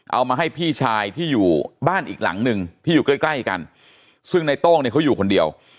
เอามาให้พี่ชายที่อยู่บ้านอีกหลังหนึ่งที่อยู่ใกล้ใกล้กันซึ่งในโต้งเนี่ยเขาอยู่คนเดียว